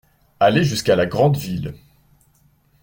Aller jusqu’à la grande ville.